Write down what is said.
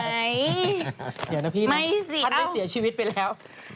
เดี๋ยวนะพี่ท่านได้เสียชีวิตไปแล้ว